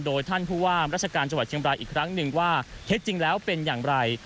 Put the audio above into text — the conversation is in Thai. โดยท่านผู้ว่ามราชการจังหวัดเชียงบรายอีกครั้งหนึ่งว่าเท็จจริงแล้วเป็นอย่างไร